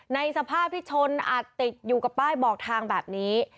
ในสภาพที่ชนอัดติดอยู่กับป้ายบอกทางแบบนี้